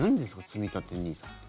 つみたてＮＩＳＡって。